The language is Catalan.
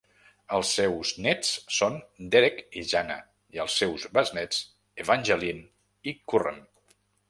Els seus néts són Derek i Janna i els seus besnéts, Evangeline i Curran.